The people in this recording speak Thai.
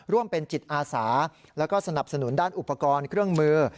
ร่วมเป็นจิตอาสาแล้วก็สนับสนุนด้านอุปกรณ์เครื่องมือ